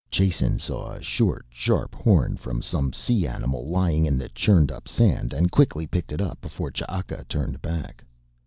Jason saw a short, sharp horn from some sea animal lying in the churned up sand and quickly picked it up before Ch'aka turned back.